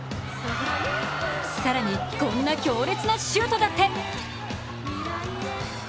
更に、こんな強烈なシュートだって。